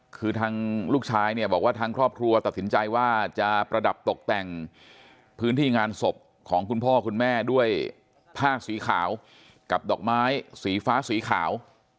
คือทางลูกชายเนี่ยบอกว่าทางครอบครัวตัดสินใจว่าจะประดับตกแต่งพื้นที่งานศพของคุณพ่อคุณแม่ด้วยผ้าสีขาวกับดอกไม้สีฟ้าสีขาว